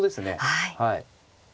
はい。